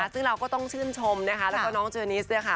ซึ่งเราก็ต้องชื่นชมนะคะแล้วก็น้องเจนิสเนี่ยค่ะ